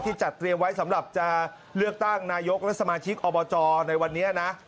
จัดเตรียมไว้สำหรับจะเลือกตั้งนายกและสมาชิกอบจในวันนี้นะ